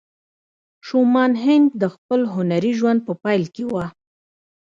شومان هینک د خپل هنري ژوند په پیل کې وه